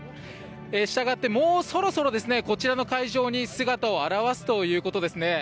したがって、もうそろそろこちらの会場に姿を現すということです。